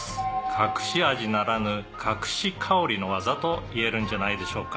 「隠し味ならぬ隠し香りの技と言えるんじゃないでしょうか」